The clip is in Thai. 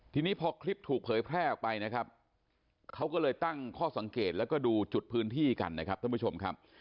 ทีนี้พอคลิปถูกเผยแพร่ออกไปนะครับเขาก็เลยตั้งข้อสังเกตแล้วก็ดูจุดพื้นที่กันนะครับท่านผู้ชมครับ